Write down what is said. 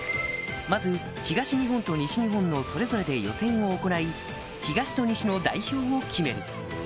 まず東日本と西日本のそれぞれで予選を行い東と西の代表を決める